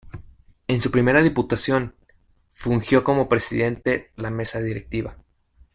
En su primer diputación fungió como presidente la Mesa Directiva.